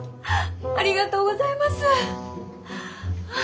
ありがとうございます！